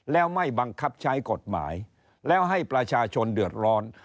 แล้วไม่บังคับใช้กฎหมายแล้วให้ประชาชนเดือดร้อน